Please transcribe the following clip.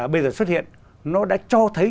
bây giờ xuất hiện nó đã cho thấy